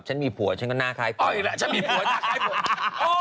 ฉันมีผัวฉันก็น่าคล้ายก้อยแหละฉันมีผัวหน้าคล้ายผัว